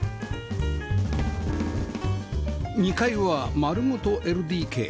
２階は丸ごと ＬＤＫ